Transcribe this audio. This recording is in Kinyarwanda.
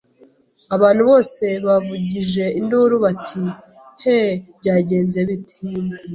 Abantu bose bavugije induru bati he Byagenze bite